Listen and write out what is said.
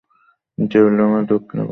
জেরুজালেমের দক্ষিণে, পাতালে।